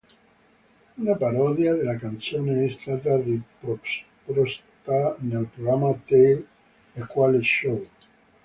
Una parodia della canzone è stata riproposta nel programma Tale e quale show.